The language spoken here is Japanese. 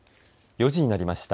４時になりました。